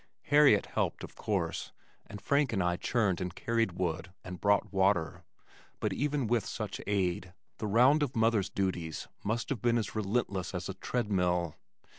Harriet helped, of course, and Frank and I churned and carried wood and brought water; but even with such aid, the round of mother's duties must have been as relentless as a tread mill.